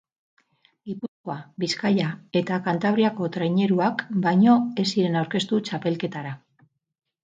Gipuzkoa, Bizkaia eta Kantabriako traineruak baino ez ziren aurkeztu txapelketara.